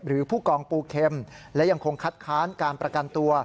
ผู้กองปูเข็มและยังคงคัดค้านการประกันตัว